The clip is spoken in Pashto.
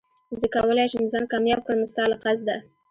زه کولي شم ځان کامياب کړم ستا له قصده